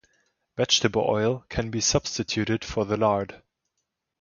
Vegetable oil can be substituted for the lard.